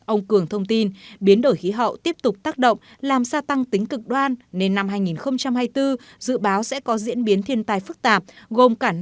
ông cường thông tin biến đổi khí hậu tiếp tục tác động làm gia tăng tính cực đoan nên năm hai nghìn hai mươi bốn dự báo sẽ có diễn biến thiên tài phức tạp gồm cả nước